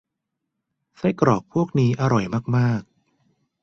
ไส้กรอกพวกนี้อร่อยมาก ๆ